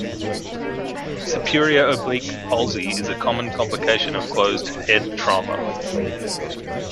Superior oblique palsy is a common complication of closed head trauma.